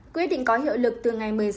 quyết định có hiệu lực từ ngày một mươi sáu h